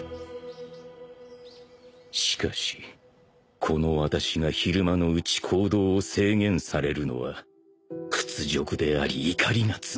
［しかしこの私が昼間のうち行動を制限されるのは屈辱であり怒りが募った］